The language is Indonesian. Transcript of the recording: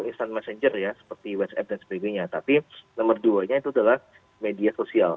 nah paling tinggi tentu itu adalah media sosial